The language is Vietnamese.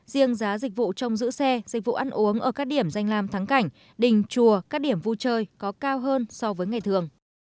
riêng giá dịch vụ trong giữ xe dịch vụ ăn uống ở các điểm danh làm thắng cảnh đình chùa các điểm vui chơi có cao hơn so với ngày thường